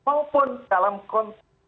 maupun dalam kontra